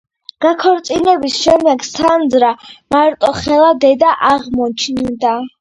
განქორწინების შემდეგ სანდრა მარტოხელა დედა აღმოჩნდა.